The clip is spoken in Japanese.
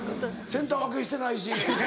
センター分けしてないし。